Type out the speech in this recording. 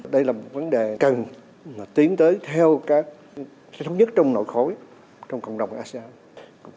đây là một vấn đề cần tiến tới theo các thống nhất trong nội khối trong cộng đồng asean